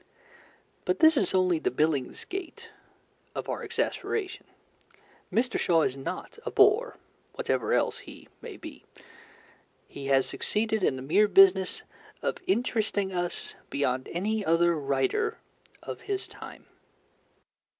But this is only the Billingsgate of our exasperation. Mr. Shaw is not a bore, whatever else he may be. He has succeeded in the mere business of interesting us beyond any other writer of his time.